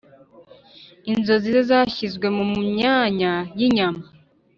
inzozi ze zashizwe mumyanya yinyama.